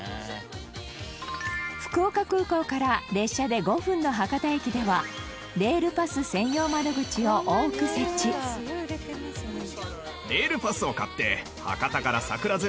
福岡空港から列車で５分の博多駅ではレールパス専用窓口を多く設置岡安：いい！